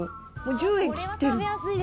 １０円切ってる。